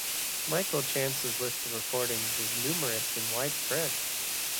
Michael Chance's list of recordings is numerous and widespread.